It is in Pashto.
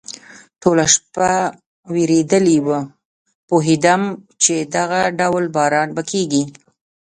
ټوله شپه ورېدلی و، پوهېدم چې دغه ډول باران به کېږي.